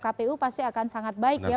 kpu pasti akan sangat baik ya